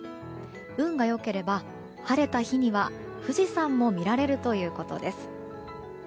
運が良ければ晴れた日には富士山も見られるということです。